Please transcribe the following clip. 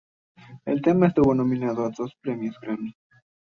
El tema estuvo nominado a dos premios Grammy.